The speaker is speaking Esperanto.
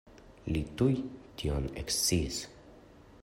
Li tuj tion eksciis.